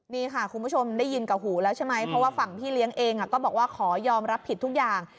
นี่ค่ะคุณผู้ชมได้ยินกับหูแล้วใช่ไหมเพราะว่าฝั่งพี่เลี้ยงเองก็บอกว่าขอยอมรับผิดทุกอย่าง